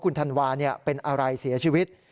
คุณธันวาเป็นอะไรเสียชีวิต